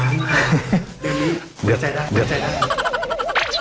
เดี๋ยวนี้เดี๋ยวใจได้